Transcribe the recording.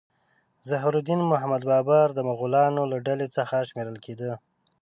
ظهیر الدین محمد بابر د مغولانو له ډلې څخه شمیرل کېده.